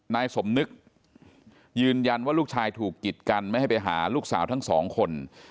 นายสมนึกยืนยันว่าลูกชายถูกกิดกันไม่ให้ไปหาลูกสาวทั้งสองคน